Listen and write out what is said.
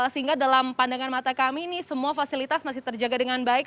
sehingga dalam pandangan mata kami ini semua fasilitas masih terjaga dengan baik